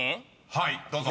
［はいどうぞ］